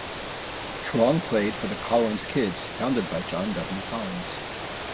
Truong played for the "Collins Kids" founded by John W. Collins.